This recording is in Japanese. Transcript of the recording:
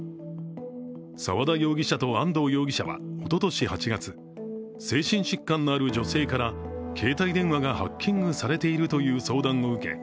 沢田容疑者と安藤容疑者はおととし８月、精神疾患のある女性から携帯電話がハッキングされているという相談を受け